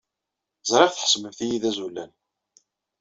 Ẓriɣ tḥesbemt-iyi d azulal.